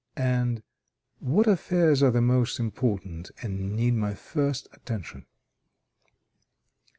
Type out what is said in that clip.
And, what affairs are the most important, and need my first attention?"